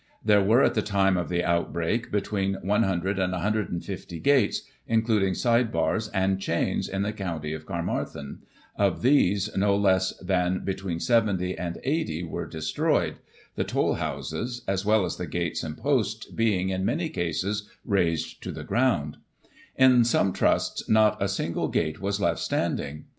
There were, at the time of the outbreak, between 100 and 150 gates, including side bars and chains, in the county of Caermarthen ; of these, no less than between 70 and 80 were destroyed, the toll houses, as well as the gates and posts, being, in many cases, razed to the ground ; in some trusts not a single gate was left standing.